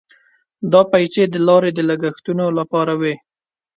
دا پیسې د لارې د لګښتونو لپاره وې.